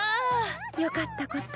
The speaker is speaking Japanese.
よかったこと。